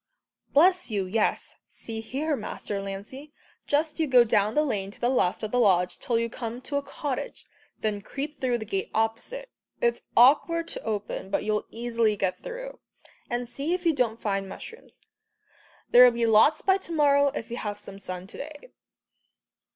"Bless you, yes. See here, Master Lancey, just you go down the lane to the left of the lodge till you come to a cottage, then creep through the gate opposite it's awkward to open, but you'll easily get through and see if you don't find mushrooms. There'll be lots by to morrow if we've some sun to day."